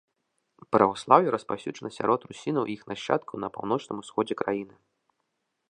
Праваслаўе распаўсюджана сярод русінаў і іх нашчадкаў на паўночным усходзе краіны.